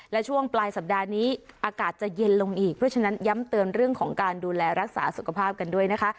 และช่วงปลายสัปดาห์นี้อากาศจะเย็นลงอีกเพราะฉะนั้นย้ำเตือนเรื่องของการดูแลรักษาสุขภาพกันด้วยนะคะ